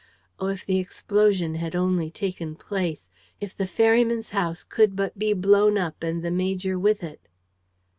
Oh, if the explosion had only taken place! If the ferryman's house could but be blown up and the major with it!